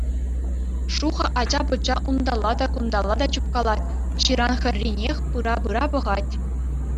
Шухӑ ача-пӑча унталла та кунталла чупкалать, ҫыран хӗрринех пыра-пыра пӑхать.